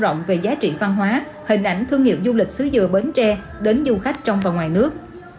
rộng về giá trị văn hóa hình ảnh thương hiệu du lịch xứ dừa bến tre đến du khách trong và ngoài nước